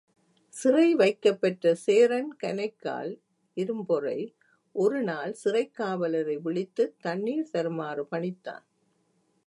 சிறை வைக்கப் பெற்ற சேரன் கணைக்கால் இரும்பொறை, ஒருநாள் சிறைக் காவலரை விளித்துத் தண்ணிர் தருமாறு பணித்தான்.